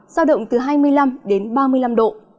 giao động từ hai mươi năm đến ba mươi năm độ